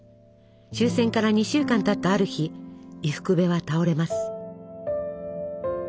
終戦から２週間たったある日伊福部は倒れます。